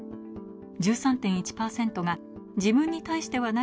１３．１％が「自分に対してはない